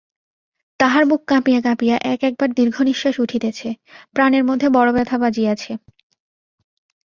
তাহার বুক কাঁপিয়া কাঁপিয়া এক-একবার দীর্ঘনিশ্বাস উঠিতেছে– প্রাণের মধ্যে বড়ো ব্যথা বাজিয়াছে।